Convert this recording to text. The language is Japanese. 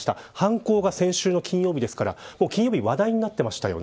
犯行が先週の金曜日ですから金曜日、話題になってましたよね